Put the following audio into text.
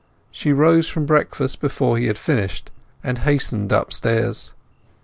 She rose from breakfast before he had finished, and hastened upstairs.